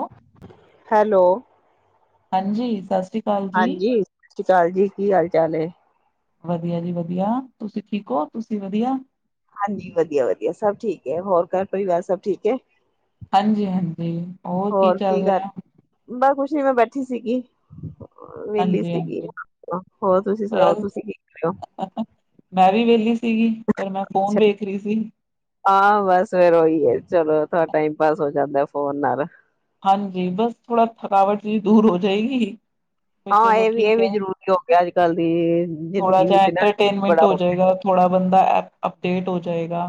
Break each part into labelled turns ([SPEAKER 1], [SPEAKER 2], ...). [SPEAKER 1] Hello
[SPEAKER 2] hello.
[SPEAKER 1] ਹਾਂਜੀ, ਸਤਿ ਸ਼੍ਰੀ ਕਾਲ ਜੀ।
[SPEAKER 2] ਕਾਲ ਜੀ। ਕੀ ਹਾਲ ਚਾਲ ਏ?
[SPEAKER 1] ਵਧੀਆ ਜੀ, ਵਧੀਆ। ਤੁਸੀਂ ਠੀਕ ਹੋ ਤੁਸੀਂ ਵਧੀਆ
[SPEAKER 2] ਹਾਂਜੀ ਵਧੀਆ ਵਧੀਆ, ਸਭ ਠੀਕ ਏ। ਹੋਰ ਘਰ ਪਰਿਵਾਰ ਸਭ ਠੀਕ ਏ
[SPEAKER 1] ਹਾਂਜੀ ਹਾਂਜੀ, ਹੋਰ ਕੀ ਚੱਲ ਰਿਐ
[SPEAKER 2] ਜੀ ਮੈਂ ਬੈਠੀ ਸੀਗੀ। ਵੇਲੀ
[SPEAKER 1] ਹਾਂਜੀ
[SPEAKER 2] ਸੀਗੀ।
[SPEAKER 1] ਹਾਂਜੀ
[SPEAKER 2] ਅ ਹੋਰ, ਤੁਸੀਂ ਸੁਣਾਓ
[SPEAKER 1] ਬਸ
[SPEAKER 2] ਤੁਸੀਂ ਕੀ ਕਰ ਔ
[SPEAKER 1] ਮੈਂ ਵੀ ਵਿਹਲੀ ਸੀਗੀ ਪਰ ਮੈਂ ਫੋਨ ਵੇਖ ਰਹੀ ਸੀ
[SPEAKER 2] ਹਾਂ ਬਸ ਫਿਰ ਉਹੀ ਹੈ ਚਲੋ ਥੋੜਾਟਾਈਮ ਪਾਸ ਹੋ ਜਾਂਦਾ ਫੋਨ ਨਾਲ
[SPEAKER 1] ਹਾਂਜੀ ਬਸ ਥੋੜਾ ਥਕਾਵਟ ਵੀ ਦੂਰ ਹੋ ਜਾਏਗੀ
[SPEAKER 2] ਹਾਂ
[SPEAKER 1] ਚਲੋ
[SPEAKER 2] ਇਹ ਵੀ ਇਹ
[SPEAKER 1] ਠੀਕ
[SPEAKER 2] ਵੀ
[SPEAKER 1] ਹੈ
[SPEAKER 2] ਜ਼ਰੂਰੀ ਹੋ ਗਿਆ, ਅੱਜ ਕੱਲ ਦੀ
[SPEAKER 1] ਥੋੜਾ
[SPEAKER 2] ਜ਼ਿੰਦਗੀ
[SPEAKER 1] ਜਿਹਾ
[SPEAKER 2] ਵਿੱਚ ਨਾ
[SPEAKER 1] ਐੰਟਰਟੇਨਮੈਂਟ
[SPEAKER 2] ਬੜਾ
[SPEAKER 1] ਹੋ
[SPEAKER 2] ਗਿਆ।
[SPEAKER 1] ਜਾਏਗਾ ਥੋੜਾ ਬੰਦਾ ਲੇਟ ਹੋ ਜਾਏਗਾ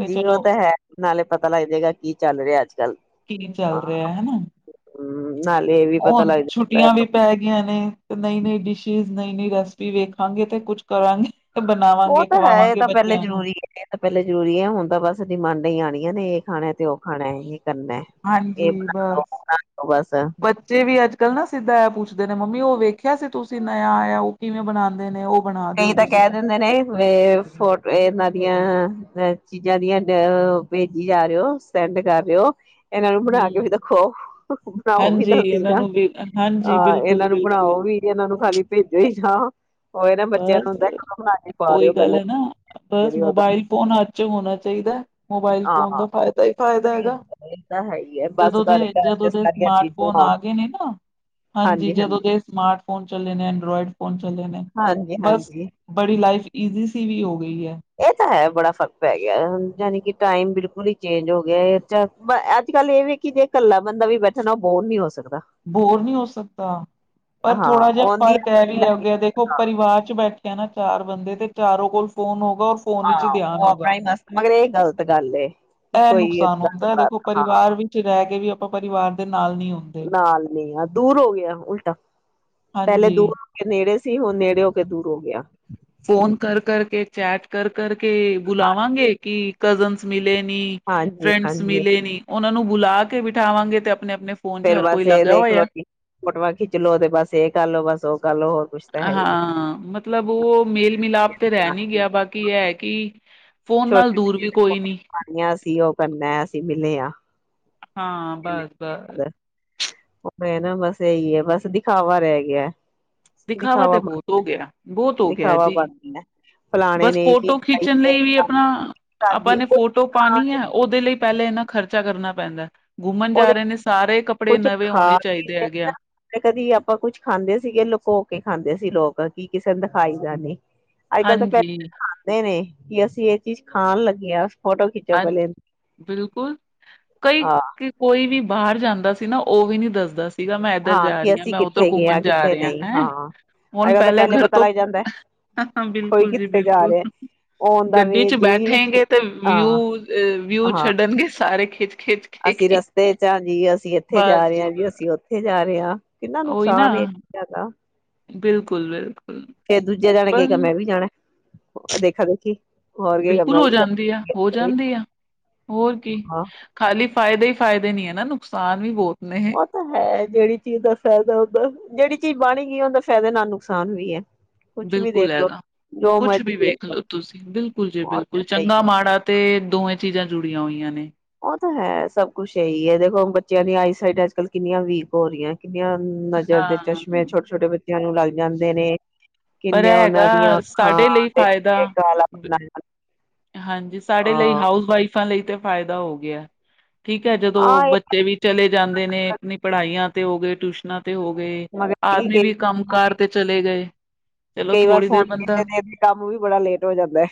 [SPEAKER 1] ਵੀ
[SPEAKER 2] ਉਹ
[SPEAKER 1] ਚਲੋ
[SPEAKER 2] ਤਾਂ ਹੈ ਨਾਲੇ ਪਤਾ ਲੱਗ ਜਾਏਗਾ ਕੀ ਚੱਲ ਰਿਹਾ ਅੱਜ ਕੱਲ
[SPEAKER 1] ਕੀ ਚੱਲ ਰਿਹਾ ਹਨਾ
[SPEAKER 2] ਹੂੰ, ਨਾਲੇ ਇਹ ਵੀ ਪਤਾ
[SPEAKER 1] ਹਣ
[SPEAKER 2] ਲੱਗ ਜਾਂਦਾ
[SPEAKER 1] ਛੁੱਟੀਆਂ ਵੀ ਪੈ ਗਈਆਂ ਨੇ ਤੇ ਨਈ ਨਈ ਡਿਸ਼ਿਿਸ ਨਈ ਨੀ ਰੈਸਪੀ ਵੇਖਾਂਗੇ ਤੇ ਕੁੱਝ ਕਰਾਂਗੇ ਤੇ
[SPEAKER 2] ਉਹ
[SPEAKER 1] ਬਣਾਵਾਂਗੇ
[SPEAKER 2] ਤਾਂ ਹੈ ਇਹ
[SPEAKER 1] ਖਵਾਵਾਂਗੇ
[SPEAKER 2] ਤਾਂ ਪਹਿਲੇ
[SPEAKER 1] ਬੱਚਿਆਂ ਨੂੰ
[SPEAKER 2] ਜਰੂਰੀ ਹੈ ਇਹ ਤਾਂ ਪਹਿਲੇ ਜਰੂਰੀ ਹੈ ਹੁਣ ਤਾਂ ਬਸ ਡਿਮਾਂਡਾਂ ਹੀ ਆਣੀਆਂ ਨੇ ਇਹ ਖਾਣਾ ਤੇ ਉਹ ਖਾਣਾ ਹੈ
[SPEAKER 1] ਹਾਂਜੀ ਬਸ
[SPEAKER 2] ਲੋ ਬਸ
[SPEAKER 1] ਬੱਚੇ ਵੀ ਅੱਜ ਕੱਲ੍ਹ ਨਾ ਸਿੱਧਾ ਪੁੱਛਦੇ ਨੇ ਪੁਛਦੇ ਨੇ ਮੰਮੀ ਉਹ ਵੇਖਿਆ ਸੀ ਤੁਸੀਂ ਨਯ ਆਇਆ ਉਹ ਕਿਵੇਂ ਬਣਾਉਂਦੇ ਨੇ ਉਹ ਬਣਾ ਦਿਓ
[SPEAKER 2] ਕਈ ਤਾਂ
[SPEAKER 1] ਤੁਸੀਂ
[SPEAKER 2] ਕਹਿ ਦਿੰਦੇ ਨੇ ਫੋਟ ਇਹਨਾਂ ਦੀਆਂ ਅ ਚੀਜ਼ਾਂ ਦੀਆਂ ਭੇਜੀ ਜਾ ਰਹੇ ਹੋ ਸੈਂਡ ਕਰ ਰਹੇ ਹੋ ਇਹਨਾਂ ਨੂੰ
[SPEAKER 1] ਹੂੰ
[SPEAKER 2] ਬਣਾ ਕੇ ਵੀ ਦੇਖੋ ਬਣਾਓ ਵੀ
[SPEAKER 1] ਹਾਂਜੀ
[SPEAKER 2] ਤਾਂ ਸੀ
[SPEAKER 1] ਇਹਨਾਂ
[SPEAKER 2] ਨਾ
[SPEAKER 1] ਨੂੰ ਵੀ ਹਾਂਜੀ
[SPEAKER 2] ਅਹ ਇਹਨਾਂ ਨੂੰ
[SPEAKER 1] ਬਿਲਕੁਲ-ਬਿਲਕੁਲ
[SPEAKER 2] ਬਣਾਓ ਵੀ ਇਹਨਾਂ ਨੂੰ ਖਾਲੀ ਭੇਜੋ ਹੀ ਹਾਂ ਰ
[SPEAKER 1] ਬਸ ਉਹੀ ਗੱਲ
[SPEAKER 2] ਪਹਿਲੇ
[SPEAKER 1] ਹੈ ਨਾ ਬਸ
[SPEAKER 2] ਜਿਹੜੀ ਉਹਦਾ
[SPEAKER 1] ਮੋਬਾਇਲ ਫੋਨ ਅੱਜ ਹੋਣਾ ਚਾਹੀਦਾ ਮੋਬਾਈਲ ਫੋਨ
[SPEAKER 2] ਹਾਂ
[SPEAKER 1] ਦਾ ਫ਼ਾਇਦਾ ਹੀ ਫ਼ਾਇਦਾ ਹੈਗਾ
[SPEAKER 2] ਇਹ ਤਾਂ ਹੈ ਹੀ ਹੈ ਬਸ
[SPEAKER 1] ਜਦੋਂ ਦੇ
[SPEAKER 2] ਤੁਹਾਡੇ ਘਰ ਚ
[SPEAKER 1] ਜਦੋਂ ਦੇ
[SPEAKER 2] ਸਾਰੀਆਂ
[SPEAKER 1] ਸਮਾਰਟ
[SPEAKER 2] ਚੀਜ਼ਾਂ
[SPEAKER 1] ਫੋਨ
[SPEAKER 2] ਹੋਣ
[SPEAKER 1] ਆ ਗਏ ਨੇ ਨਾ ਹਾਂਜੀ ਜਦੋਂ ਦੇ ਸਮਾਰਟ ਫੋਨ ਚੱਲੇ ਨੇ ਐਂਡੋਇਡ ਫੋਨ ਚੱਲ ਨੇ
[SPEAKER 2] ਹਾਂਜੀ
[SPEAKER 1] ਬਸ
[SPEAKER 2] ਹਾਂਜੀ
[SPEAKER 1] ਬੜੀ ਲਾਈਫ ਈਜ਼ੀ ਸੀ ਵੀ ਉਹ
[SPEAKER 2] ਇਹ ਤਾਂ ਹੈ ਬੜਾ ਫ਼ਰਕ ਪੈ ਗਿਆ ਜਾਣੀ ਕਿ ਟਾਈਮ ਬਿਲਕੁਲ ਹੀ ਚੇਂਜ ਹੋ ਗਿਆ ਅੱਜ ਕੱਲ੍ਹ ਇਹ ਵੀ ਕਿ ਜੇ ਇਕੱਲਾ ਬੰਦਾ ਵੀ ਬੈਠਣਾ ਉਹ ਬੋਰ ਨੀ ਹੋ ਸਕਦਾ
[SPEAKER 1] ਬੋਰ ਨਹੀਂੀ ਹੋ ਸਕਦਾ ਪਰ
[SPEAKER 2] ਹਾਂ
[SPEAKER 1] ਥੋੜਾ ਜਿਹਾ
[SPEAKER 2] ਉਹਦੀ
[SPEAKER 1] ਫ਼ਰਕ ਹੈ
[SPEAKER 2] ਆਪਣੀ
[SPEAKER 1] ਵੀ ਹੈ ਗਿਆ
[SPEAKER 2] ਲਾਈਫ
[SPEAKER 1] ਦੇਖੋ ਪਰਿਵਾਰ ਚ ਬੈਠੇ ਕਹਿਣਾ ਚਾਰ ਬੰਦੇ ਤੇ ਚਾਰੋ ਕੋਲ ਫੋਨ ਹੋ ਰ ਫੋਨ ਵਿੱਚ
[SPEAKER 2] ਹਾਂ
[SPEAKER 1] ਧਿਆਨ
[SPEAKER 2] ਉਹ
[SPEAKER 1] ਹੋਗਾ
[SPEAKER 2] ਆਪਣਾ ਹੀ ਮਸਤ ਮਗਰ ਇਹ ਗ਼ਲਤ ਗੱਲ ਏ ਕਿ
[SPEAKER 1] ਇਹ
[SPEAKER 2] ਕੋਈ
[SPEAKER 1] ਨੁਕਸਾਨ ਹੁੰਦਾ
[SPEAKER 2] ਏਦਾਂ,
[SPEAKER 1] ਦੇਖੋ
[SPEAKER 2] ਹਾਂ
[SPEAKER 1] ਪਰਿਵਾਰ ਵਿੱਚ ਰਹਿ ਕੇ ਵੀ ਆਪਾਂ ਪਰਿਵਾਰ ਦੇ ਨਾਲ ਨਹੀਂ ਆੁੰਂਦੇ
[SPEAKER 2] ਨਹੀਂ ਦੂਰ ਹੋ ਗਿਆ ਉਲਟਾ ਪਹਿਲੇ
[SPEAKER 1] ਹਾਂਜੀ
[SPEAKER 2] ਦੂਰ ਹੋ ਕੇ ਨਹੀਂ ਨੇੜੇ ਸੀ ਹੋ ਨੇੜੇ ਹੋ ਕੇ ਦੂਰ ਹੋ ਗਿਆ
[SPEAKER 1] ਫੋਨ ਕਰ ਕਰਕੇ ਚੈਟ ਕਰ ਕਰਕੇ
[SPEAKER 2] ਹਾਂਜੀ
[SPEAKER 1] ਬੁਲਾਵਾਂਗੇ ਕਿ ਕਜ਼ਨਸ ਮਿਲੇ ਵੀ
[SPEAKER 2] ਹਾਂਜੀ
[SPEAKER 1] ਫਰੈਂਡਸ
[SPEAKER 2] ਹਾਂਜੀ
[SPEAKER 1] ਮਿਲੇ ਨਹੀਂ। ਉਹਨਾਂ ਨੂੰ ਬੁਲਾ ਕੇ ਬਿਠਾਵਾਂਗੇ ਤੇ ਆਪਣੇ ਆਪਣੇ ਫੋਨ ਚ
[SPEAKER 2] ਫੇਰ
[SPEAKER 1] ਹਰ ਕੋਈ
[SPEAKER 2] ਬਸ ਇਹ
[SPEAKER 1] ਲੱਗਾ ਹੋਇਆ
[SPEAKER 2] ਦੇਖਲੋ ਕਿ, ਫੋਟੋਆਂ ਖਿੱਚ ਲੋੋ, ਤੇ ਬਸ ਇਹ ਕਰਲੋ ਬਸ ਉਹ ਕਰਲੋ ਹੋਰ ਕੁਛ ਤਾਂ ਹੈ ਹੀ
[SPEAKER 1] ਹਾਂ, ਮਤਲਬ ਉਹ ਮੇਲ ਮਿਲਾਪ ਤੇ ਰਹਿ ਨਹੀਂੀ
[SPEAKER 2] ਨੀ
[SPEAKER 1] ਗਿਆ ਬਾਕੀ ਹੈ ਕਿ [inaudible] ਦੂਰ ਵੀ ਕੋਈ ਨੀ
[SPEAKER 2] ਛੋਟੀਆਂ [inaudible] ਸੀ ਉਹ ਕਰਨਾ ਮਿਲੇ ਹਾਂ।
[SPEAKER 1] ਹਾਂ ਬੱਸ ਬੱਸ।
[SPEAKER 2] ਔ ਭੈਣ ਅ ਬਸ ਇਹੀ ਹੈ ਬਸ ਦਿਖਾਵਾ ਰਹਿ ਗਿਆ।
[SPEAKER 1] ਦਿਖਾਵਾ ਤੇ ਬਹੁਤ ਹੋ ਗਿਆ ਬਹੁਤ ਹੋ ਗਿਆ
[SPEAKER 2] ਦਿਖਾਵਾ
[SPEAKER 1] ਜੀ।
[SPEAKER 2] ਬਣ ਗਿਆ ਫਲਾਣੇ
[SPEAKER 1] ਬਸ
[SPEAKER 2] ਨੇ ਇਹ ਚੀਜ਼
[SPEAKER 1] ਫੋਟੋ
[SPEAKER 2] ਪਾਈ
[SPEAKER 1] ਖਿੱਚਣ ਲਈ ਅਪਣਾ, ਆਪਾਂ
[SPEAKER 2] ਖਾਦੀ
[SPEAKER 1] ਨੇ
[SPEAKER 2] ਕੁਛ
[SPEAKER 1] ਫੋਟੋ ਪਾਣੀ
[SPEAKER 2] ਖਾਣੇ
[SPEAKER 1] ਹੈ, ਉਹਦੇ ਲਈ ਪਹਿਲੇ ਇਹਨਾਂ ਖ਼ਰਚਾ ਕਰਨਾ ਪੈਂਦਾ। ਘੁੰਮਣ ਜਾ
[SPEAKER 2] ਉਹਦੇ
[SPEAKER 1] ਰਹੇ ਨੇ ਸਾਰੇ ਕੱਪੜੇ
[SPEAKER 2] ਕੁੱਝ
[SPEAKER 1] ਨਵੇਂ ਹੋਣੇ
[SPEAKER 2] ਖਾ
[SPEAKER 1] ਚਾਹੀਦੇ ਹੈਗੇ ਆ
[SPEAKER 2] ਕਦੀ ਆਪਾਂ ਕੁਛ ਖਾਂਦੇ ਸੀਗੇ ਲੋਕੋ ਕੇ ਕੀ ਖਾਂਦੇ ਸੀ ਲੋਕ, ਕੀ ਕਿਸੇ ਨੂੰ ਦਿਖਾਈ ਦਾ ਨਹੀ ਅੱਜ ਕੱਲ ਤਾਂ [inaudible]
[SPEAKER 1] ਹਾਂਜੀ
[SPEAKER 2] ਦਿਖਾਂਦੇ ਨੇ ਕੀ ਅਸੀਂ ਇਹ ਚੀਜ਼ ਖਾਣ ਲਗੇ ਆ
[SPEAKER 1] ਹਾਂਜੀ। ਬਿਲਕੁਲ, ਕਈ
[SPEAKER 2] ਹਾਂ
[SPEAKER 1] ਕੋਈ ਵੀ ਬਾਹਰ ਜਾਂਦਾ ਸੀ ਨਾ, ਉਹ ਵੀ ਨੀ ਦੱਸਦਾ ਸੀ ਸੀਗਾ ਮੈਂ ਇੱਧਰ ਜਾ
[SPEAKER 2] ਕਿ
[SPEAKER 1] ਰਹੀ ਹਾਂ,
[SPEAKER 2] ਅਸੀਂ
[SPEAKER 1] ਮੈਂ ਉੱਧਰ
[SPEAKER 2] ਕਿੱਥੇ ਗਏ
[SPEAKER 1] ਘੁੰਮਣ
[SPEAKER 2] ਹਾਂ
[SPEAKER 1] ਜਾ
[SPEAKER 2] ਕਿੱਥੇ
[SPEAKER 1] ਰਿਹੀ ਹਾ।
[SPEAKER 2] ਨਹੀਂ
[SPEAKER 1] ਹੈਂ,
[SPEAKER 2] ਹਾਂ
[SPEAKER 1] ਹੁਣ
[SPEAKER 2] ਅੱਜ ਕੱਲ ਤਾਂ
[SPEAKER 1] ਪਹਿਲੇ ਘਰ
[SPEAKER 2] ਪਤਾ
[SPEAKER 1] ਤੋਂ
[SPEAKER 2] ਲੱਗ ਜਾਂਦਾ
[SPEAKER 1] ਹ ਹ ਹ,
[SPEAKER 2] ਕੋਈ
[SPEAKER 1] ਬਿਲਕੁਲ ਜੀ
[SPEAKER 2] ਕਿੱਥੇ ਜਾ
[SPEAKER 1] ਬਿਲਕੁਲ।
[SPEAKER 2] ਰਿਹਾ ਆਉਣ ਦਾ
[SPEAKER 1] ਗੱਡੀ
[SPEAKER 2] ਵੇ
[SPEAKER 1] ਚ
[SPEAKER 2] ਜੀ
[SPEAKER 1] ਬੈਠੇਗੇ ਤੇ
[SPEAKER 2] ਹਾਂ
[SPEAKER 1] ਵਿਊ ਵਿਊ
[SPEAKER 2] ਹਾਂ
[SPEAKER 1] ਛਡਣਗੇ ਸਾਰੇ ਖਿਚ
[SPEAKER 2] ਅਸੀਂ ਰਸਤੇ ਚ ਹਾਂ ਜੀ, ਅਸੀਂ ਇੱਥੇ ਜਾ ਰਹੇ ਹਾਂ ਜੀ, ਅਸੀਂ ਉੱਥੇ ਜਾ ਰਹੇ ਹਾਂ। ਕਿੰਨਾ
[SPEAKER 1] ਉਹੀ ਨਾ,
[SPEAKER 2] ਨੁਕਸਾਨ ਹੈ ਇਹ ਚੀਜ਼ਾਂ ਦਾ।
[SPEAKER 1] ਬਿਲਕੁਲ ਬਿਲ
[SPEAKER 2] ਹੋਰਾਂ ਦੇਖਾ ਦੇਖੀ ਹੋਰ ਕਹੇਗਾ
[SPEAKER 1] ਬਿਲਕੁਲ
[SPEAKER 2] ਮੈਂ
[SPEAKER 1] ਹੋ
[SPEAKER 2] ਵੀ
[SPEAKER 1] ਜਾਂਦੀ ਆ, ਹੋ
[SPEAKER 2] ਜਾਣਾ
[SPEAKER 1] ਜਾਂਦੀ ਆ। ਹੋਰ ਕੀ।
[SPEAKER 2] ਹਾਂ
[SPEAKER 1] ਖਾਲੀ ਫਾਇਦੇ ਹੀ ਫਾਇਦੇ ਨਹੀ ਹੈ ਨਾ, ਨੁਕਸਾਨ ਵੀ ਬਹੁਤ ਆ।
[SPEAKER 2] ਉਹ ਤਾਂ ਹੈ। ਜਿਹੜੀ ਚੀਜ਼ ਦਾ ਫਾਇਦਾ ਉਹਦਾ, ਜਿਹੜੀ ਚੀਜ਼ ਬਨ ਹੀ ਗਈ ਹੈ ਉਹਦਾ ਫਾਇਦੇ ਨਾਲ ਨੁਕਸਾਨ ਵੀ ਹੈ। ਕੁਛ ਵੀ
[SPEAKER 1] ਬਿਲਕੁਲ
[SPEAKER 2] ਦੇਖਲੋ
[SPEAKER 1] ਹੈਗਾ।
[SPEAKER 2] ਜੋ
[SPEAKER 1] ਕੁਛ
[SPEAKER 2] ਮਰਜੀ
[SPEAKER 1] ਵੀ ਵੇਖ
[SPEAKER 2] ਦੇਖਲੋ
[SPEAKER 1] ਲੋ ਤੁਸੀਂ। ਬਿਲਕੁਲ ਜੀ
[SPEAKER 2] ਉਹ ਤਾਂ
[SPEAKER 1] ਬਿਲਕੁਲ।
[SPEAKER 2] ਹੈ ਹੀ
[SPEAKER 1] ਚੰਗਾ ਮਾੜਾ ਤੇ ਦੋਵੇਂ ਚੀਜ਼ਾਂ ਜੁੜੀਆਂ ਹੋਈਆਂ ਨੇ
[SPEAKER 2] ਉਹ ਤਾਂ ਹੈ ਸਭ ਕੁੱਛ ਇਹੀ ਹੈ ਦੇਖੋੁਣ ਬੱਚਿਆਂ ਦੀ ਆਈ ਸਾਈਡ ਅੱਜ ਕੱਲ ਕਿੰਨੀਆਂ ਵੀਕ ਹੋ ਰਹੀਆਂ ਕਿੰਨੀਆਂ ਨਜ਼ਰ ਦੇ
[SPEAKER 1] ਹਾਂ,
[SPEAKER 2] ਚਸ਼ਮੇ ਛੋਟੇ ਛੋਟੇ ਬੱਚੇ ਨੂੰ ਲੱਗ ਜਾਂਦੇ ਨੇ
[SPEAKER 1] ਪਰ
[SPEAKER 2] ਕਿੰਨੀਆਂ
[SPEAKER 1] ਇਹ
[SPEAKER 2] ਉਹਨਾਂ ਦੀਆਂ
[SPEAKER 1] ਹੈਗਾ
[SPEAKER 2] ਅੱਖਾਂ
[SPEAKER 1] ਸਾਡੇ ਲਈ
[SPEAKER 2] ਤੇ
[SPEAKER 1] ਫਾਇਦਾ
[SPEAKER 2] ਕਾਲਾ ਬਣਾ
[SPEAKER 1] ਹਾਂਜੀ ਸਾਡੇ ਲਈ ਹਾਊਸ ਵਾਈਫਾਂ ਲਈ ਤੇ ਫ਼ਾਇਦਾ ਹੋ ਗਿਆ ਠੀਕ ਹੈ ਜਦੋਂ
[SPEAKER 2] ਹਾਂ ਇਹ
[SPEAKER 1] ਬੱਚੇ ਵੀ ਚਲੇ ਜਾਂਦੇ ਨੇ ਆਪਣੀ ਪੜ੍ਹਾਈਆਂ ਤੇ ਹੋ ਗਏ ਟਊਸ਼ਨ ਤੇ ਹੋ ਗਏ
[SPEAKER 2] ਮਗਰ ਕਈ
[SPEAKER 1] ਆਦਮੀ ਵੀ ਕੰਮ ਕਾਰ ਤੇ ਚਲੇ ਗਏ ਚਲੋ
[SPEAKER 2] ਕਈ ਵਾਰ
[SPEAKER 1] ਥੋੜ੍ਹੀ
[SPEAKER 2] ਫੋਨ
[SPEAKER 1] ਦੇਰ ਬੰਦਾ
[SPEAKER 2] ਦੇਖਦੇ ਦੇਖਦੇ ਕੰਮ ਵੀ ਬੜਾ ਲੇਟ ਹੋ ਜਾਂਦਾ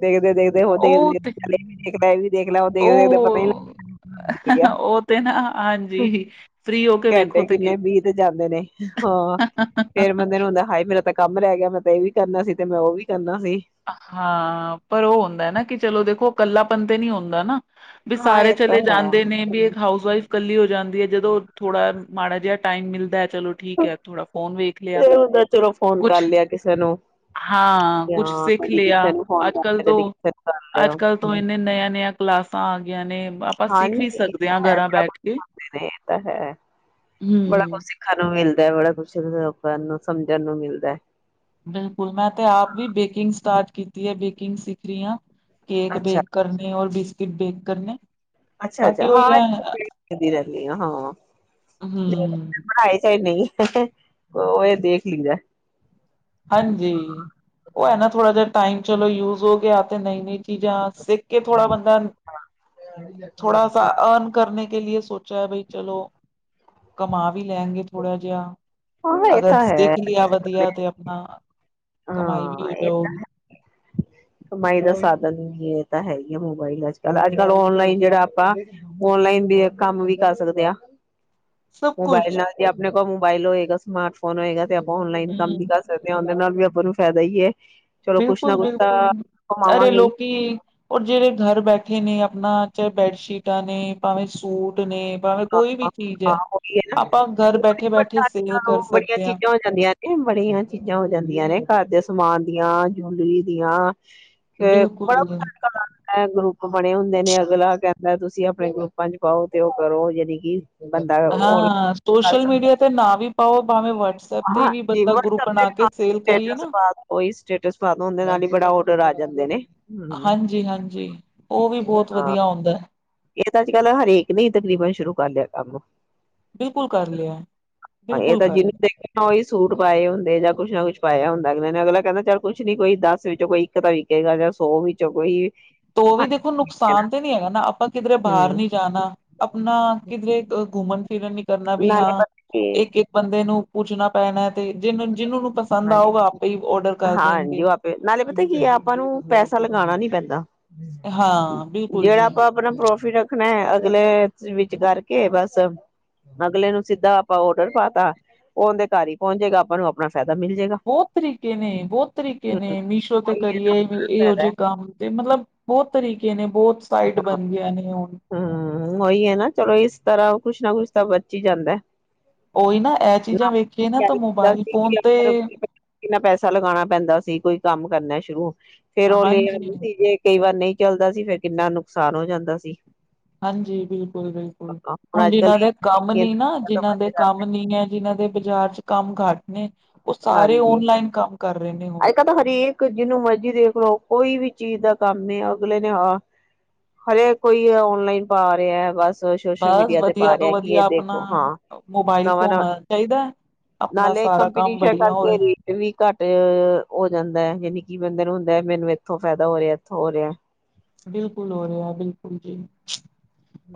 [SPEAKER 2] ਦੇਖਦੇ ਦੇਖਦੇ ਦੇਖਦੇਖ ਵੀ
[SPEAKER 1] ਉਹ
[SPEAKER 2] ਦੇਖ
[SPEAKER 1] ਤੇ
[SPEAKER 2] ਲੈ ਇਹ ਵੀ ਦੇਖ ਲੈ ਦੇਖਦੇਖਦੇ ਪਤਾ
[SPEAKER 1] ਉਹ
[SPEAKER 2] ਲੱਗਦਾ
[SPEAKER 1] ਉਹ ਤੇ ਨਾ ਹਾਂਜੀ ਫ੍ਰਰੀ ਹੋ ਕੇ ਵੇਖੋ
[SPEAKER 2] ਘੰਟੇ
[SPEAKER 1] ਤੇ ਕੀ
[SPEAKER 2] ਕਿੰਨੇ ਵੀਹ ਤੇ ਜਾਂਦੇ ਨੇ ਹਾਂ ਫੇਰ ਬੰਦੇ ਨੂੰ ਹੁੰਦਾ ਹਾਏ ਮੇਰਾ ਤੱਕ ਕੰਮ ਰਹਿ ਗਿਆ ਮੈਂ ਤੇ ਇਹ ਵੀ ਕਰਨਾ ਸੀ ਤੇ ਮੈਂ ਉਹ ਵੀ ਕਰਨਾ ਸੀ
[SPEAKER 1] ਹਾਂ ਪਰ ਉਹ ਹੁੰਦਾ ਨਾ ਕਿ ਚਲੋ ਦੇਖੋ ਕੱਲਾਪਨ ਤੇ ਨੀ ਹੁੰਦਾ ਨਾ ਵੀ
[SPEAKER 2] ਹਾਂ
[SPEAKER 1] ਸਾਰੇ
[SPEAKER 2] ਇਹ ਤਾਂ
[SPEAKER 1] ਚਲੇ
[SPEAKER 2] ਹੈ
[SPEAKER 1] ਜਾਂਦੇ ਨੇ ਵੀ
[SPEAKER 2] ਹਮ,
[SPEAKER 1] ਇੱਕ ਹਾਊਸ ਵਾਈਫ ਇਕੱਲੀ ਹੋ ਜਾਂਦੀ ਹੈ ਜਦੋਂ ਥੋੜਾ ਮਾੜਾ ਜਿਹਾ ਟਾਈਮ ਮਿਲਦਾ ਚਲੋ ਠੀਕ ਹੈ ਥੋੜਾ ਫੋਨ ਵੇਖ ਲਿਆ
[SPEAKER 2] ਇਹ ਹੁੰਦਾ ਚਲੋ ਫੋਨ ਕਰ
[SPEAKER 1] ਕੁਛ
[SPEAKER 2] ਲਿਆ ਕਿਸੇ ਨੂੰ
[SPEAKER 1] ਹਾਂ ਕੁਛ
[SPEAKER 2] ਜਾਂ
[SPEAKER 1] ਸਿੱਖ
[SPEAKER 2] ਕਦੀ
[SPEAKER 1] ਲਿਆ
[SPEAKER 2] ਕਿਸੇ ਨੂੰ ਫੋਨ
[SPEAKER 1] ਅੱਜ
[SPEAKER 2] ਕਰ
[SPEAKER 1] ਕੱਲ
[SPEAKER 2] ਲਿਆ
[SPEAKER 1] ਤੋਂ
[SPEAKER 2] ਕਦੀ ਕਿਸੇ ਨੂੰ ਕਰ ਲਿਆ
[SPEAKER 1] ਅੱਜ ਕੱਲ ਤੋਂ
[SPEAKER 2] ਹਮ,
[SPEAKER 1] ਇੰਨੇ ਨਯ ਨਯ ਕਲਾਸਾਂ ਆ ਗਈਆਂ ਨੇ ਆਪਾਂ
[SPEAKER 2] ਹਾਂਜੀ
[SPEAKER 1] ਸਿੱਖ ਵੀ
[SPEAKER 2] ਇਹ
[SPEAKER 1] ਸਕਦੇ
[SPEAKER 2] ਤਾਂ
[SPEAKER 1] ਹਾਂ
[SPEAKER 2] ਹੈ
[SPEAKER 1] ਘਰਾਂ
[SPEAKER 2] ਬੜਾ
[SPEAKER 1] ਬੈਠ
[SPEAKER 2] ਕੁਛ
[SPEAKER 1] ਕੇ
[SPEAKER 2] ਸਖਦੇ ਨੇ ਇਹ ਤਾਂ ਹੈ ਬੜਾ ਕੁਛ
[SPEAKER 1] ਹੂੰ
[SPEAKER 2] ਸਿੱਖਣ ਨੂੰ ਮਿਲਦਾ ਬੜਾ ਕੁਛ ਲੋਕਾਂ ਨੂੰ ਸਮਝਣ ਨੂੰ ਮਿਲਦਾ
[SPEAKER 1] ਬਿਲਕੁਲ ਮੈਂ ਤੇ ਆਪ ਵੀ ਬੇਕਿੰਗ ਸਟਾਰਟ ਕੀਤੀ ਹੈ ਬੇਕਿੰਗ ਸਿੱਖ ਰਹੀ ਹਾਂ ਕੇਕ
[SPEAKER 2] ਅੱਛਾ
[SPEAKER 1] ਬੇਕ ਕਰਨੇ ਰ ਬਿਸ ਕੀ ਬੇਕ ਕਰਨੇ
[SPEAKER 2] ਅੱਛਾ ਅੱਛਾ
[SPEAKER 1] ਬਾਕੀ ਉਹੀ
[SPEAKER 2] ਹਾਂ
[SPEAKER 1] ਹੈ
[SPEAKER 2] ਰਹਿੰਦੀ ਆ ਹਾਂ
[SPEAKER 1] ਹੂੰ
[SPEAKER 2] ਪੜ੍ਹਾਏ ਚੇ ਨਹੀਂ ਉਹ ਇਹ ਦੇਖ ਲਦਾਾ
[SPEAKER 1] ਹਾਂਜੀ ਉਹ ਹੈ ਨਾ ਥੋੜਾ ਜਹਾ ਟਾਈਮ ਚਲੋ ਯੂਜ ਹੋ ਕੇ ਆ ਤੇ ਨਹੀਂ ਨਹੀਂ ਚੀਜ਼ਾਂ ਸਿੱਖ ਕੇ ਥੋੜਾ ਬੰਦਾ ਥੋੜਾ ਅਰਨ ਕਰਨੇ ਕੇ ਲੀਏ ਸੋਚਾ ਹੈ ਬਾਈ ਚਲੋ ਕਮਾ ਵੀ ਲੈਗੇ ਥੋੜਾ ਜਿਹਾ
[SPEAKER 2] ਹਾਂ ਇਹ ਤਾਂ ਹੈ
[SPEAKER 1] ਹਾਂ ਕਮਾਈ ਵੀ
[SPEAKER 2] ਹਾਂ
[SPEAKER 1] ਹੋ
[SPEAKER 2] ਇਹ
[SPEAKER 1] ਜਾਊਗੀ
[SPEAKER 2] ਪ ਇਹ ਤਾਂ ਹੈ ਹੀ ਆ ਮੋਬਾਈਲ ਅੱਜ ਕੱਲ ਅੱਜ ਕੱਲ ਓਨਲਾਈਨ ਜਿਹੜਾ ਆਪਾਂ ਓਨਲਾਈਨ ਵੀ ਕੰਮ ਵੀ ਕਰ ਸਕਦੇ ਆ
[SPEAKER 1] ਸਭ
[SPEAKER 2] ਮੋਬਾਇਲ
[SPEAKER 1] ਕੁਛ
[SPEAKER 2] ਨਾਲ ਦੀ ਆਪਣੇ ਅਪਣਾ ਮੋਬਾਇਲ ਹੋਏਗਾ, ਸਮਾਰਟਫੋਨ ਹੋਏਗਾ ਤੇ ਆਪ ਔਨਲਾਈਨ ਕੰਮ
[SPEAKER 1] ਹੂੰ
[SPEAKER 2] ਵੀ ਕਰ ਸਕਦੇ ਹਾਂ, ਉਹਦੇ ਨਾਲ ਵੀ ਉਹਨੂੰ ਫਾਇਦਾ ਹੀ ਏ।
[SPEAKER 1] ਬਿਲਕੁਲ, ਬਿਲਕੁਲ ਅਰੇ
[SPEAKER 2] ਕਮਾਵਾਂਗੇ ਹੀ
[SPEAKER 1] ਲੋਕੀ ਉਹ ਜਿਹੜੇ ਘਰ ਬੈਠੇ ਨੇ ਆਪਣਾ ਚਾਹੇ ਬੈਡਸ਼ੀਟਾਂ ਨੇ ਭਾਵੇਂ ਸੂਟ ਨੇ ਭਾਵੇਂ ਕੋਈ ਵੀ ਚੀਜ਼
[SPEAKER 2] ਹਾਂ
[SPEAKER 1] ਹੈ
[SPEAKER 2] ਉਹੀ ਹੈ ਨਾ
[SPEAKER 1] ਆਪਾਂ ਘਰ ਬੈਠੇ ਬੈਠੇ ਸੇਲ
[SPEAKER 2] ਹੋਰ
[SPEAKER 1] ਕਰ
[SPEAKER 2] ਬੜੀਆਂ
[SPEAKER 1] ਸਕਦੇ ਹਾਂ
[SPEAKER 2] ਚੀਜ਼ਾਂ ਹੋ ਜਾਂਦੀਆਂ ਨੇ, ਬੜੀਆਂ ਚੀਜ਼ਾਂ ਹੋ ਜਾਂਦੀਆਂ ਨੇ, ਘਰ ਦੇ ਸਮਾਨ ਦੀਆਂ ਹੋਲੀ ਦੀਆਂ ਫਿਰ ਬੜਾ
[SPEAKER 1] ਬਿਲਕੁਲ
[SPEAKER 2] ਕੁਛ ਗਰੁੱਪ ਬਣੇ ਹੁੰਦੇ ਨੇ। ਅਗਲਾ ਕਹਿੰਦਾ, ਤੁਸੀਂ ਆਪਣੇ ਗਰੁੱਪਾਂ ਚ ਖਾਉ ਤੇ ਉਹ ਕਰੋ ਯਾਨੀ ਕਿ ਬੰਦਾ ਔਨਲਾਈਨ
[SPEAKER 1] ਹਾਂ, ਸੋਸ਼ਲ
[SPEAKER 2] ਕਰ
[SPEAKER 1] ਮੀਡੀਆ ਤੇ ਨਾ ਵੀ ਪਾਉ ਭਵੇੇ
[SPEAKER 2] ਹਾਂਜੀ ਵੱਟਸਅੱਪ ਤੇ
[SPEAKER 1] ਕਰੀਏ ਨਾ
[SPEAKER 2] ਕੋਈ ਸਟੇਟਸ ਪਾ ਦਿਉ, ਉਹ ਦੇ ਨਾਲ ਬੜੇ ਆਰਡਰ ਆ ਜਾਂਦੇ ਨੇ।
[SPEAKER 1] ਹਾਂਜੀ ਹਾਂਜੀ ਉਹ ਵੀ ਬਹੁਤ ਵਧੀਆ ਹੁੰਦਾ ਹੈ।
[SPEAKER 2] ਇਹ ਤਾਂ ਅੱਜ ਕੱਲ ਹਰੇਕ ਨੇ ਹੀ ਤਕਰੀਬਨ ਸ਼ੁਰੂ ਕਰ ਲਿਆ ਕੰਮ।
[SPEAKER 1] ਬਿਲਕੁਲ ਕਰ ਲਿਆ,
[SPEAKER 2] ਹਾਂ ਇਹ
[SPEAKER 1] ਬਿਲਕੁਲ
[SPEAKER 2] ਤਾਂ
[SPEAKER 1] ਕਰ
[SPEAKER 2] ਜਿਹਨੂੰ
[SPEAKER 1] ਲਿਆ।
[SPEAKER 2] ਦੇਖਣਾ ਉਹੀ ਸੂਟ ਪਾਏ ਹੁੰਦੇ ਜਾਂ ਕੁਛ ਨਾ ਕੁਛ ਪਾਇਆ ਹੁੰਦਾ ਅਗਲੇ ਨੇ, ਅਗਲਾ ਕਹਿੰਦਾ ਚੱਲ ਕੁਛ ਨੀ ਕੋਈ ਦਸ ਵਿੱਚੋਂ ਕੋਈ ਇੱਕ ਤਾਂ ਵਿਕੇਗਾ ਜਾਂ ਸੌ ਵਿੱਚੋਂ ਕੋਈ
[SPEAKER 1] ਤੇ ਉਹ ਵੀ
[SPEAKER 2] ਹਟ
[SPEAKER 1] ਦੇਖੋ ਨੁਕਸਾਨ ਤਾਂ ਨੀ ਹੈਗਾ ਨਾ। ਕਿਧਰੇ ਬਾਹਰ
[SPEAKER 2] ਹੂੰ
[SPEAKER 1] ਨੀ ਜਾਣਾ ਆਪਣਾ ਕਿਧਰੇ [unintelligible] ਫਿਕਰ ਨੀ ਕਰਨਾ ਵੀ
[SPEAKER 2] ਨਾਲੇ
[SPEAKER 1] ਹਾਂ,
[SPEAKER 2] ਪਤਾ
[SPEAKER 1] ਇੱਕ
[SPEAKER 2] ਕੀ
[SPEAKER 1] ਇੱਕ ਬੰਦੇ ਨੂੰ ਪੁੱਛਣਾ। [unintelligible] ਜਿਹਨੂੰ ਨੂੰ ਪਸੰਦ
[SPEAKER 2] ਹਾਂਜੀ,
[SPEAKER 1] ਆਊਗਾ ਆਪੇ ਹੀ ਔਡਰ ਕਰ ਦੇਣਗੇ
[SPEAKER 2] ਹਾਂਜੀ ਉਹ ਆਪੇ ਨਾਲੇ ਪਤਾ ਕੀ ਹੈ, ਆਪਾਂ ਨੂੰ ਪੈਸਾ ਲਗਾਉਣਾ ਨੀ ਪੈਂਦਾ। [unintelligible] ਹੈਨਾ
[SPEAKER 1] ਹਾਂ ਬਿਲਕੁਲ
[SPEAKER 2] ਜਿਹੜਾ
[SPEAKER 1] ਜੀ
[SPEAKER 2] ਆਪਾਂ ਆਪਣਾ ਪ੍ਰੋਫਿਟ ਰੱਖਣਾ ਹੈ ਅਗਲੇ ਵਿੱਚ ਕਰਕੇ ਬਸ ਅਗਲੇ ਨੂੰ ਸਿੱਧਾ ਆਪਾਂ ਔਡਰ ਪਾ ਤਾ ਉਹਦੇ ਘਰ ਹੀ ਪਹੁੰਚੇਗਾ। ਉਹਨਾਂ ਨੂੰ ਆਪਣਾ ਫਾਇਦਾ ਮਿਲ ਜਾਏਗਾ
[SPEAKER 1] ਬਹੁਤ ਤਰੀਕੇ ਨੇ, ਬਹੁਤ ਤਰੀਕੇ ਨੇ, ਮੀਸ਼ੋ ਤੇ
[SPEAKER 2] ਉਹੀ ਹੈ
[SPEAKER 1] ਕਰੀਏ,
[SPEAKER 2] ਨਾ
[SPEAKER 1] ਇਹੋ
[SPEAKER 2] ਫਾਇਦਾ
[SPEAKER 1] ਜਿਹੇ ਕੰਮ ਤੇ ਮਤਲਬ ਬਹੁਤ ਤਰੀਕੇ ਨੇ ਬਹੁਤ ਸਾਈਟ
[SPEAKER 2] ਹਾਂ,
[SPEAKER 1] ਬਣ ਗਈਆਂ ਨੇ ਹੁਣ
[SPEAKER 2] ਹੂੰ, ਉਹੀ ਹੈ ਨਾ ਚਲੋ ਇਸ ਤਰ੍ਹਾਂ ਕੁਛ ਨਾ ਕੁਛ ਤਾਂ ਬਚ ਹੀ ਜਾਂਦਾ।
[SPEAKER 1] ਉਹੀ ਨਾ ਇਹ ਚੀਜ਼ਾਂ
[SPEAKER 2] ਨਾ
[SPEAKER 1] ਵੇਖੀਏ ਨਾ ਤਾਂ
[SPEAKER 2] ਕਹਿ ਦਿੱਤਾ
[SPEAKER 1] ਮੋਬਾਇਲ
[SPEAKER 2] ਸੀ
[SPEAKER 1] ਫੋਨ
[SPEAKER 2] ਕਿ ਆਪਾਂ
[SPEAKER 1] ਤੇ
[SPEAKER 2] ਕਿੰਨਾ ਪੈਸਾ ਲਗਾਉਣਾ ਪੈਂਦਾ ਸੀ, ਕੋਈ ਕੰਮ ਕਰਨਾ ਸ਼ੁਰੂ। ਫੇਰ ਉਹ ਲੈ
[SPEAKER 1] ਹਾਂਜੀ
[SPEAKER 2] ਆਦੇ ਸੀ ਜੇ ਕਈ ਵਾਰ ਨਹੀਂ ਚੱਲਦਾ ਸੀ ਫੇਿਰ ਕਿੰਨਾ ਨੁਕਸਾਨ ਹੋ ਜਾਂਦਾ ਸੀ।
[SPEAKER 1] ਹਾਂਜੀ ਬਿਲਕੁਲ ਬਿਲਕੁਲ ਹੁਣ
[SPEAKER 2] ਅੱਜ ਕੱਲ
[SPEAKER 1] ਜਿਨਾਂ ਦੇ ਕੰਮ
[SPEAKER 2] ਹਾਂਜੀ
[SPEAKER 1] ਨੀ ਨਾ ਜਿਹਨਾਂ
[SPEAKER 2] ਅੱਜ
[SPEAKER 1] ਦੇ ਕੰਮ ਨੀ ਹੈ ਜਿਹਨਾਂ ਦੇ ਬਾਜ਼ਾਰ ਚ ਕੰਮ ਘੱਟ ਨੇ ਉਹ ਸਾਰੇ
[SPEAKER 2] ਹਾਂਜੀ
[SPEAKER 1] ਓਨਲਾਈਨ ਕੰਮ ਕਰ ਰਹੇ ਨੇ ਹੁਣ
[SPEAKER 2] ਅੱਜ- ਕੱਲ ਤਾਂ ਹਰੇਕ ਜਿਹਨੂੰ ਮਰਜ਼ੀ ਦੇਖ ਲਓ ਕੋਈ ਵੀ ਚੀਜ਼ ਦਾ ਕੰਮ ਅਗਲੇ ਨੇ ਹਰੇਕ ਕੋਈ ਔਨਲਾਈਨ ਪਾ ਰਿਹਾ ਹੈ ਬਸ ਸੋਸ਼ਲ
[SPEAKER 1] ਬਸ
[SPEAKER 2] ਮੀਡੀਆ ਤੇ
[SPEAKER 1] ਵਧੀਆ
[SPEAKER 2] ਪਾ
[SPEAKER 1] ਤੋਂ
[SPEAKER 2] ਰਿਹਾ ਕਿ ਇਹ
[SPEAKER 1] ਵਧੀਆ ਆਪਣਾ
[SPEAKER 2] ਦੇਖੋ ਹਾਂ
[SPEAKER 1] ਮੋਬਾਇਲ
[SPEAKER 2] ਨਵਾਂ
[SPEAKER 1] ਫੋਨ
[SPEAKER 2] ਨਵਾਂ
[SPEAKER 1] ਚਾਹੀਦਾ ਆਪਣਾ
[SPEAKER 2] ਨਾਲੇ
[SPEAKER 1] ਸਾਰਾ ਕੰਮ
[SPEAKER 2] ਕੰਪੀਟੀਸ਼ਨ
[SPEAKER 1] ਬੜੀਆ ਹੋ
[SPEAKER 2] ਕਰਕੇ
[SPEAKER 1] ਰਿਹਾ
[SPEAKER 2] ਰੇਟ ਵੀ ਘੱਟ ਹੋ ਜਾਂਦਾ ਹੈ ਯਾਨੀ ਕਿ ਬੰਦੇ ਨੂੰ ਲੈ ਮੈਨੂੰ ਇੱਥੋਂ ਫਾਇਦਾ ਹੋ ਰਿਹਾ ਇੱਥੋਂ ਹੋ ਰਿਹਾ
[SPEAKER 1] ਬਿਲਕੁਲ ਹੋ ਰਿਹਾ ਬਿਲਕੁਲ ਜੀ।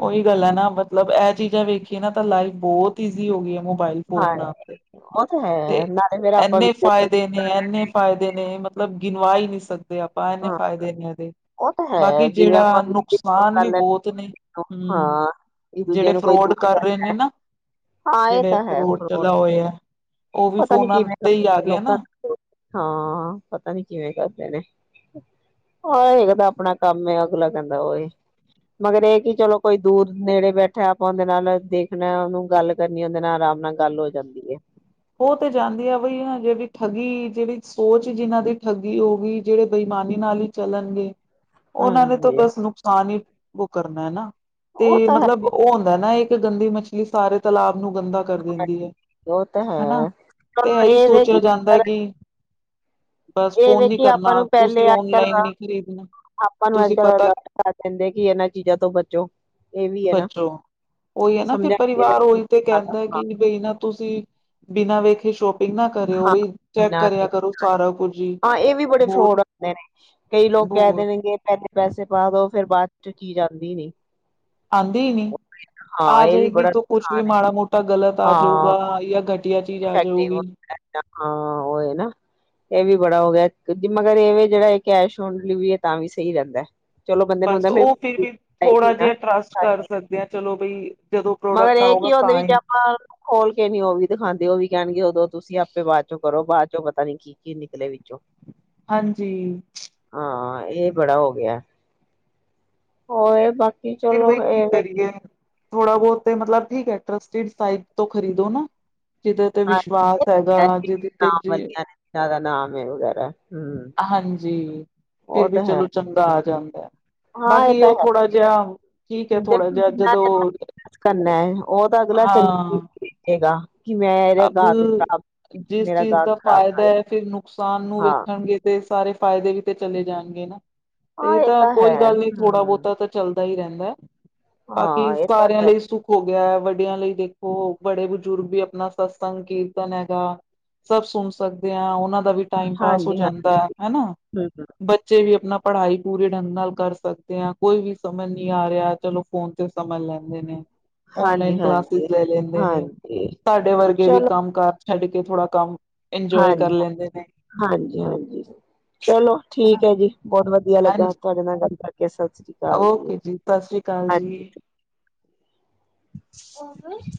[SPEAKER 1] ਉਹੀ ਗੱਲ ਹੈ ਨਾ ਮਤਲਬ ਇਹ ਚੀਜ਼ਾਂ ਵੇਖੀਏ ਨਾ ਤਾਂ ਲਾਈਫ ਬਹੁਤ ਈਜ਼ੀ ਹੋ ਗਈ ਹੈ, ਹੁਣ। ਮੋਬਾਈਲ
[SPEAKER 2] ਹਾਂ
[SPEAKER 1] ਫੋਨਾਂ
[SPEAKER 2] ਉਹ ਤਾਂ ਹੈ
[SPEAKER 1] ਤੇ
[SPEAKER 2] ਨਾਲੇ ਫੇਰ ਆਪਾਂ
[SPEAKER 1] ਐਨੇ ਫਾਇਦੇ ਨੇ ਐਨੇ ਫਾਇਦੇ ਨੇ ਮਤਲਬ ਗਿਣਵਾ ਹੀ ਨਹੀਂ ਸ ਸ ਦੇ ਆਪਾਂ ਇਹਨੇ
[SPEAKER 2] ਹਾਂ
[SPEAKER 1] ਫਾਇਦੇ ਨੇ ਉਹਦੇ
[SPEAKER 2] ਉਹ ਤਾਂ
[SPEAKER 1] ਬਾਕੀ
[SPEAKER 2] ਹੈ ਜਿਵੇਂ
[SPEAKER 1] ਜਿਹੜਾ
[SPEAKER 2] ਆਪਾਂ ਵੀਡੀਓ
[SPEAKER 1] ਨੁਕਸਾਨ ਵੀ
[SPEAKER 2] ਕਰ ਲੈਂਦੇ
[SPEAKER 1] ਬਹੁਤ ਨੇ ਹੂੰ
[SPEAKER 2] ਹਾਂ ਇੱਕ
[SPEAKER 1] ਜਿਹੜੇ
[SPEAKER 2] ਦੂਜੇ ਨੂੰ ਕੋਈ
[SPEAKER 1] ਫਰੋਡ
[SPEAKER 2] ਦੂਰ
[SPEAKER 1] ਕਰ ਰਹੇ ਨੇ ਨਾ
[SPEAKER 2] ਹਾਂ ਇਹ
[SPEAKER 1] ਜਿਹੜੇ
[SPEAKER 2] ਤਾਂ ਹੈ
[SPEAKER 1] ਫਰੋਡ ਚਲਾ ਹੋਇਆ। ਉਹ ਵੀ
[SPEAKER 2] ਪਤਾ ਨੀ
[SPEAKER 1] ਫੋਨਾਂ
[SPEAKER 2] ਕਿਵੇਂ
[SPEAKER 1] ਤੇ ਹੀ ਆ
[SPEAKER 2] ਕਰਦੇ
[SPEAKER 1] ਗਿਆ
[SPEAKER 2] ਲੋਕਾਂ
[SPEAKER 1] ਨਾ
[SPEAKER 2] ਹਾਂ ਪਤਾ ਨੀ ਕਿਵੇਂ ਕਰਦੇ ਨੇ ਹਰੇਕ ਦਾ ਆਪਣਾ ਕੰਮ ਅਗਲਾ ਕਹਿੰਦਾ ਉਹ ਇਹ ਮਗਰ ਇਹ ਕਿ ਚਲੋ ਕੋਈ ਦੂਰ ਨੇੜੇ ਬੈਠਾ ਆਪਾਂ ਉਹਦੇ ਨਾਲ ਦੇਖਣਾ ਉਹਨੂੰ ਗੱਲ ਕਰਨੀ ਉਹਦੇ ਨਾਲ ਆਰਾਮ ਨਾਲ ਗੱਲ ਹੋ ਜਾਂਦੀ ਹੈ।
[SPEAKER 1] ਉਹ ਤੇ ਜਾਂਦੀ ਆ ਬਈ ਜਿਹੜੀ ਠੱਗੀ ਜਿਹੜੀ ਸੋਚ ਜਿਨਾਂ ਦੀ ਠੱਗੀ ਹੋ ਗਈ ਜਿਹੜੇ ਬੇਈਮਾਨੀ ਨਾਲ ਹੀ ਚੱਲਣਗੇ ਉਹਨਾਂ ਨੇ ਤਾਂ
[SPEAKER 2] ਹਾਂਜੀ।
[SPEAKER 1] ਬਸ ਨੁਕਸਾਨ ਹੀ ਉਹ ਕਰਨਾ ਹੈ ਨਾ ਤੇ
[SPEAKER 2] ਉਹ ਤਾਂ ਹੈ
[SPEAKER 1] ਮਤਲਬ ਉਹ ਹੁੰਦਾ ਨਾ ਇੱਕ ਕਿ ਗੰਦੀ ਮਛਲੀ ਸਾਰੇ ਤਲਾਬ ਨੂੰ ਗੰਦਾ ਕਰ ਦਿੰਦੀ ਹੈ।
[SPEAKER 2] ਉਹ ਤਾਂ
[SPEAKER 1] ਹਨਾ
[SPEAKER 2] ਹੈ ਪਰ
[SPEAKER 1] ਤੇ ਇਹੀ
[SPEAKER 2] ਇਹ ਵੇ ਕਿ
[SPEAKER 1] ਸੋਚਿਆ ਜਾਂਦਾ ਕਿ ਬਸ
[SPEAKER 2] ਇਹ
[SPEAKER 1] ਫੋਨ ਨੀ
[SPEAKER 2] ਵੇਖ ਆਪਾਂ
[SPEAKER 1] ਕਰਨਾ
[SPEAKER 2] ਨੂੰ ਪਹਿਲੇ
[SPEAKER 1] ਤੁਸੀਂ
[SPEAKER 2] ਅੱਜ- ਕੱਲ
[SPEAKER 1] ਓਨਲਾਈਨ ਨਹੀਂ ਖਰੀਦਣਾ
[SPEAKER 2] ਆਪਾਂ ਨੂੰ ਅੱਜ
[SPEAKER 1] ਤੁਸੀਂ
[SPEAKER 2] ਕੱਲ
[SPEAKER 1] ਪਤਾ
[SPEAKER 2] ਅਲਰਟ ਕਰ ਦਿੰਦੇ ਕਿ ਇਹਨਾਂ ਚੀਜ਼ਾਂ ਤੋਂ ਬਚੋ। ਇਹ ਵੀ ਹੈ ਨਾ
[SPEAKER 1] ਬੱਚੋ ਉਹੀ ਹੈ ਨਾ ਫਿਰ
[SPEAKER 2] ਸਮਝਾਂਗੇ
[SPEAKER 1] ਪਰਿਵਾਰ ਉਹੀ ਤੇ ਕਹਿੰਦਾ
[SPEAKER 2] ਹਾਂ
[SPEAKER 1] ਕਿ ਬਈ ਨਾ ਤੁਸੀਂ ਬਿਨਾਂ ਵੇਖੇ ਸ਼ੋਪਿੰਗ ਨਾ ਕਰਿਓ ਬਈ ਚੈੱਕ
[SPEAKER 2] ਹਾਂ,
[SPEAKER 1] ਕਰਿਆ ਕਰੋ ਸਾਰਾ ਕੁਝ ਹੀ
[SPEAKER 2] ਹਾਂ ਇਹ ਵੀ ਬੜੇ
[SPEAKER 1] ਬਹੁਤ
[SPEAKER 2] ਫਰੋਡ ਹੁੰਦੇ ਨੇ ਕਈ ਲੋਕ ਕਹਿ
[SPEAKER 1] ਬਹੁਤ
[SPEAKER 2] ਦੇਣਗੇ ਪਹਿਲੇ ਪੈਸੇ ਪਾ ਦੋ ਫਿਰ ਬਾਅਦ ਚ ਕੀ ਜਾਂਦੀ ਨੀ
[SPEAKER 1] ਆਂਦੀ ਹੀ ਨਹੀਂ
[SPEAKER 2] ਹਾਂ
[SPEAKER 1] ਆ
[SPEAKER 2] ਇਹ ਵੀ
[SPEAKER 1] ਜਾਏਗੀ
[SPEAKER 2] ਬੜਾ
[SPEAKER 1] ਤੋਂ ਕੁਛ ਵੀ
[SPEAKER 2] ਨੁਕਸਾਨ ਹੈ
[SPEAKER 1] ਮਾੜਾ ਮੋਟਾ ਗਲਤ ਆ ਜਾਊਗਾ ਜਾਂ ਗ
[SPEAKER 2] ਡਫੈਕਟਿਵ ਹਾਂ ਉਹ ਏ ਨਾ ਇਹ ਵੀ ਬੜਾ ਹੋ ਗਿਆ ਕਿਉਂਕਿ ਮਗਰ ਇਹ ਵੀ ਜਿਹੜਾ ਕੈਸ਼ ਔਨ ਡਿਲੀਵਰੀ ਹੈ ਤਾਂ ਵੀ ਸਹੀ ਰਹਿੰਦਾ। ਚਲੋ ਬੰਦੇ ਨੂੰ
[SPEAKER 1] ਬਸ
[SPEAKER 2] ਹੁੰਦਾ ਮੇਰੇ
[SPEAKER 1] ਉਹ ਫਿਰ
[SPEAKER 2] ਕੋਲ ਚੀਜ਼
[SPEAKER 1] ਵੀ
[SPEAKER 2] ਆਏਗੀ
[SPEAKER 1] ਥੋੜਾ
[SPEAKER 2] ਨਾ
[SPEAKER 1] ਜਿਹਾ ਟਰਸਟ ਕਰ ਸਕਦੇ ਆ ਚਲੋ ਬਈ ਜਦੋਂ
[SPEAKER 2] ਮਗਰ
[SPEAKER 1] ਪ੍ਰੋਡਕਟ
[SPEAKER 2] ਇਹ
[SPEAKER 1] ਆਊਗਾ
[SPEAKER 2] ਕੀ ਹੁੰਦੇ
[SPEAKER 1] ਤਾਂ
[SPEAKER 2] ਵਿੱਚ
[SPEAKER 1] ਹੀ
[SPEAKER 2] ਆਪਾਂ ਖੋਲ ਕੇ ਨੀ ਉਹ ਵੀ ਦਿਖਾਂਦੇ ਉਹ ਵੀ ਕਹਿਣਗੇ ਉਦੋਂ ਤੁਸੀਂ ਆਪੇ ਬਾਅਦ ਚੋਂ ਕਰੋ ਬਾਅਦ ਚੋਂ ਪਤਾ ਨੀ ਕੀ-ਕੀ ਨਿਕਲੇ ਵਿੱਚੋਂ
[SPEAKER 1] ਹਾਂਜੀ
[SPEAKER 2] ਹਾਂ ਇਹ ਬੜਾ ਹੋ ਗਿਆ, ਹੋ ਇਹ ਬਾਕੀ ਕੀ
[SPEAKER 1] ਫਿਰ
[SPEAKER 2] ਚਲੋ
[SPEAKER 1] ਬਈ
[SPEAKER 2] [unintelligible]
[SPEAKER 1] ਕੀ ਕਰੀਏ ਥੋੜਾ ਬਹੁਤ ਤੇ ਮਤਲਬ ਠੀਕ ਹੈ ਟਰਸਟਿਡ ਸਾਈਟ ਤੋਂ ਖਰੀਦੋ ਨਾ ਜਿਹਦੇ ਤੇ ਵਿਸ਼ਵਾਸ ਹੈਗਾ
[SPEAKER 2] ਹਾਂਜੀ
[SPEAKER 1] ਜਿਹਦੇ ਤੇ
[SPEAKER 2] ਨਾਮ
[SPEAKER 1] ਜੀ
[SPEAKER 2] ਵਾਲੀਆਂ ਨੇ ਜਿਆਦਾ [unintelligible]
[SPEAKER 1] ਹਾਂਜੀ ਫਿਰ
[SPEAKER 2] ਉਹ
[SPEAKER 1] ਵੀ
[SPEAKER 2] ਤਾਂ ਹੈ
[SPEAKER 1] ਚਲੋ ਚੰਗਾ ਆ ਜਾਂਦਾ। ਹੈ।
[SPEAKER 2] ਹਾਂ ਇਹ
[SPEAKER 1] ਬਾਕੀ
[SPEAKER 2] ਤਾਂ
[SPEAKER 1] ਉਹ
[SPEAKER 2] ਹੈ
[SPEAKER 1] ਥੋੜਾ ਜਿਹਾ ਠੀਕ ਹੈ ਥੋੜਾ ਜਿਹਾ ਜਦੋਂ
[SPEAKER 2] [inaudible] ਕਰਨਾ ਉਹ ਤਾਂ ਅਗਲਾ ਚੰਗੀਂ
[SPEAKER 1] ਹਾਂ
[SPEAKER 2] ਰੇਗਾ
[SPEAKER 1] ਅਬ ਜਿਸ
[SPEAKER 2] ਮੇਰਾ
[SPEAKER 1] ਚੀਜ਼
[SPEAKER 2] ਗਾਹਕ
[SPEAKER 1] ਦਾ
[SPEAKER 2] ਖ਼ਰਾਬ
[SPEAKER 1] ਫਾਇਦਾ
[SPEAKER 2] ਆਏ
[SPEAKER 1] ਹੈ ਤੇ ਨੁਕਸਾਨ ਨੂੰ
[SPEAKER 2] ਹਾਂ
[SPEAKER 1] ਵੇਖਾਗੇਂ ਤੇ ਸਾਰੇ ਫਾਇਦੇ ਵੀ ਤੇ ਚਲੇ ਜਾਣਗੇ ਨਾ
[SPEAKER 2] ਹਾਂ
[SPEAKER 1] ਇਹ ਤਾਂ
[SPEAKER 2] ਹੈ
[SPEAKER 1] ਕੋਈ ਗੱਲ ਨਹੀਂ ਥੋੜਾ
[SPEAKER 2] ਹਮ
[SPEAKER 1] ਬਹੁਤਾ ਤਾਂ ਚੱਲਦਾ ਸਹੀ ਰਹਿੰਦਾ ਬਾਕੀ
[SPEAKER 2] ਹਾਂ ਇਹ ਤਾਂ
[SPEAKER 1] ਸਾਰਿਆਂ
[SPEAKER 2] ਹੈ
[SPEAKER 1] ਲਈ ਸੁੱਖ ਹੋ ਗਿਆ ਹੈ ਵੱਡ ਵਡਿਆਂ ਲਈ ਦੇਖੋ ਬੜੇ ਬਜ਼ੁਰਗ ਵੀ ਆਪਣਾ ਸਤਸੰਗ ਕੀਰਤਨ ਹੈਗਾ, ਸਭ ਸੁਣ ਸਕਦੇ ਹਾਂ ਉਹਨਾਂ ਦਾ ਦਾ ਵੀ ਟਾਈਮ ਪਾਸ ਹੋ
[SPEAKER 2] ਹਾਂਜੀ ਹਾਂਜੀ
[SPEAKER 1] ਜਾਂਦਾ ਹੈਨਾ,
[SPEAKER 2] ਹਮ ਹਮ,
[SPEAKER 1] ਬੱਚੇ ਵੀ ਆਪਣਾ ਪੜ੍ਹਾਈ ਪੂਰੇ ਢੰਗ ਨਾਲ ਕਰ ਸਕਦੇ ਹਾਂ ਕੋਈ ਵੀ ਸਮਝ ਨਹੀਂ ਆ ਰਿਹਾ ਚਲੋ ਫੋਨ ਤੇ ਸਮਝ ਲੈਂਦੇ ਨੇ। ਓਨਲਾਈਨ
[SPEAKER 2] ਹਾਂਜੀ
[SPEAKER 1] ਕਲਾਸਿਸ
[SPEAKER 2] ਹਾਂਜੀ
[SPEAKER 1] ਲੈ ਲੈਂਦੇ ਨੇ,
[SPEAKER 2] ਹਾਂਜੀ
[SPEAKER 1] ਸਾਡੇ ਵਰਗੇ ਅੱਗੇ ਵੀ
[SPEAKER 2] ਚਲੋ
[SPEAKER 1] ਕੰਮ ਕਾਰ ਛੱਡ ਕੇ ਥੋੜਾ ਕੰਮ ਇੰਜੋਏ ਕਰ
[SPEAKER 2] ਹਾਂਜੀ,
[SPEAKER 1] ਲੈਂਦੇ ਨੇ
[SPEAKER 2] ਹਾਂਜੀ-ਹਾਂਜੀ ਚਲੋ
[SPEAKER 1] ਹਨਾ
[SPEAKER 2] ਠੀਕ ਹੈ ਜੀ ਬਹੁਤ ਵਧੀਆ ਵਧੀਆ ਲੱਗਾ
[SPEAKER 1] ਹਾਂਜੀ
[SPEAKER 2] ਤੁਹਾਡੇ ਨਾਲ ਗੱਲ ਅਗੇ ਸਬ
[SPEAKER 1] ਓਕੇ ਜੀ, ਸਤਿ ਸ੍ਰੀ ਅਕਾਲ ਜੀ
[SPEAKER 2] [inaudible]